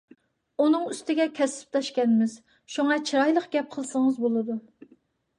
ئۇنىڭ ئۈستىگە كەسىپداشكەنمىز. شۇڭا چىرايلىق گەپ قىلسىڭىز بولىدۇ.